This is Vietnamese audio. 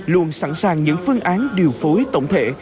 luôn sẵn sàng những phương án điều phối tổng thể